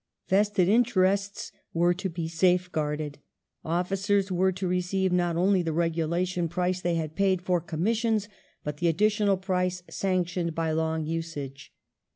Vested interests were to be safeguarded ; officers were to receive not only the regulation price they had paid for Commissions, but the additional price sanctioned by long usage.